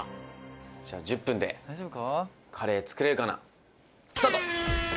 「じゃあ１０分でカレー作れるかなスタート！」